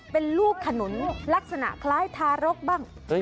เป็นลูกขนุนลักษณะคล้ายทารกบ้าง